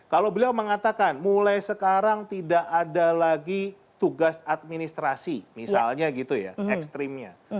kalau beliau mengatakan mulai sekarang tidak ada lagi tugas administrasi misalnya gitu ya ekstrimnya